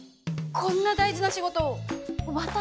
こんな大事な仕事を私が？